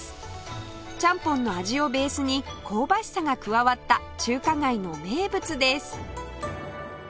ちゃんぽんの味をベースに香ばしさが加わった中華街の名物です